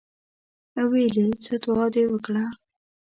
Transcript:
ویل یې څه دعا دې وکړه.